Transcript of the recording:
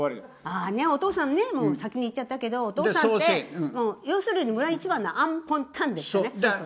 あお父さんね先に逝っちゃったけどお父さんて要するに村一番のあんぽんたんでしたね。